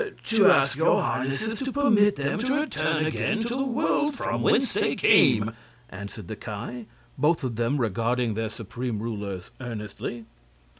"To ask your Supreme Highnesses to permit them to return again to the world from whence they came," answered the Ki, both of them regarding their supreme rulers earnestly.